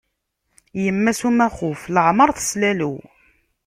Yemma-s n umaxuf leεmer teslalew.